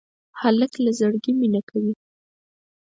هلک له زړګي مینه کوي.